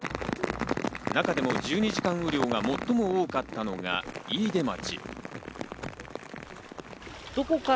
中でも１２時間雨量が最も多かったのが飯豊町。